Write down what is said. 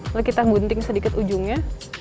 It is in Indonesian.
lalu kita gunting sedikit ujungnya